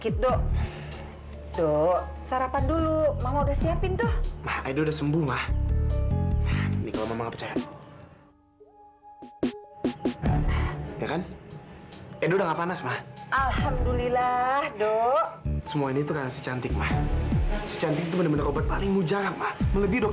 tapi si cantik belum datang dok